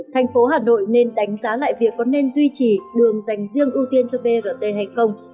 thành phố hà nội nên đánh giá lại việc có nên duy trì đường dành riêng ưu tiên cho brt hay không